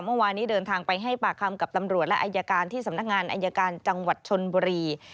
เมื่อวานนี้เดินทางไปให้ปากคำกับตำรวจและอายการที่สำนักงานอายการจังหวัดชนบุรี